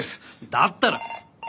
だったら。